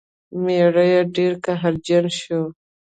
میړه یې ډیر قهرجن شو.